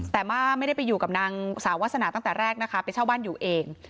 แต่ว่าไม่ได้ไปอยู่กับนางสาววาสนาตั้งแต่แรกนะคะไปเช่าบ้านอยู่เอง